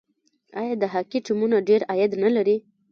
آیا د هاکي ټیمونه ډیر عاید نلري؟